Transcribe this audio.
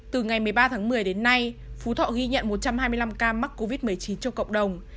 từ ngày một mươi ba tháng một mươi đến nay phú thọ ghi nhận một trăm hai mươi năm ca mắc covid một mươi chín trong cộng đồng